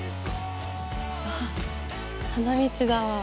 あっ花道だ。